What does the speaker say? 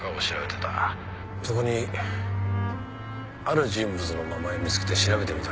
そこにある人物の名前を見つけて調べてみた。